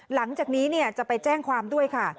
หลังจากนี้จะไปแจ้งความด้วยค่ะ